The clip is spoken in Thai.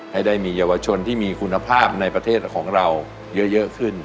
ให้ได้มีเยาวชนที่มีคุณภาพในประเทศของเราเยอะขึ้น